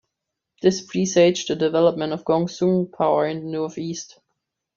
This presaged the development of Gongsun power in the northeast.